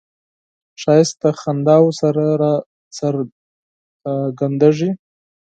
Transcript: ښایست د خنداوو سره راڅرګندیږي